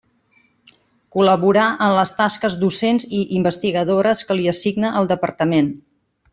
Col·laborar en les tasques docents i investigadores que li assigne el departament.